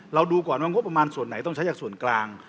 ดูก่อนว่างบประมาณส่วนไหนต้องใช้จากส่วนกลาง